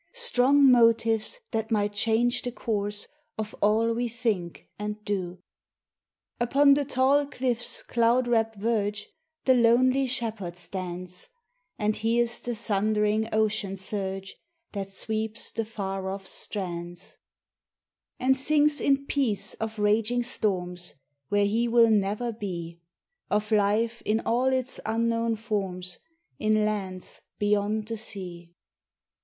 269 Strong motives that might change the course Of all we think and do. Upon the tall cliff's cloud wrapt verge The lonely shepherd stands, And hears the thundering ocean surge That sweeps the far off strands ; And thinks in peace of raging storms Where he will never be — Of life in all its unknown forms In lands beyond the sea.